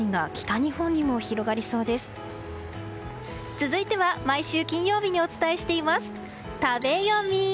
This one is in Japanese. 続いては、毎週金曜日にお伝えしています、食べヨミ！